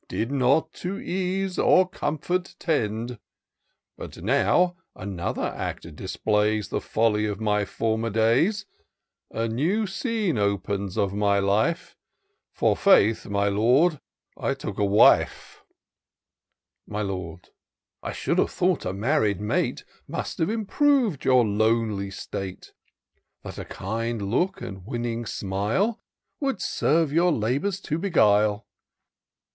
Did not to ease pr comfort tend. But now, another act displays The folly of my former days : IN SEARCH OF THE PICTURESQUE. 283 A new scene opens of my life ; For, faith, my Lord, I took a wife." My Lord. '^ I should have thought a married mate Must have iiriprov'd your lonely state ! That a kind look and winning smile Would serve your labours to beguile."